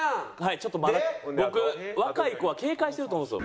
ちょっとまだ僕若い子は警戒してると思うんですよ